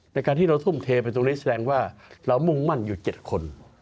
ในการที่เราทุ่มเทไปตรงนี้แสดงว่าเรามุ่งมั่นอยู่๗คน